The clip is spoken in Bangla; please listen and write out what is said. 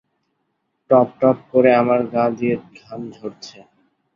টপটপ করে আমার গা দিয়ে ঘাম ঝরছে।